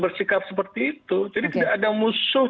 bersikap seperti itu jadi tidak ada musuh